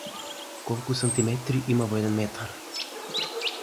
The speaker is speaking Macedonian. Колку центиметри има во еден метар?